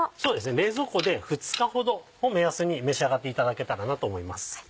冷蔵庫で２日ほどを目安に召し上がっていただけたらなと思います。